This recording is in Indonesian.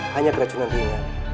hanya keracunan tinggi